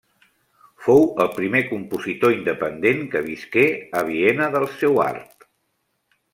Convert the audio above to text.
Fou el primer compositor independent que visqué a Viena del seu art.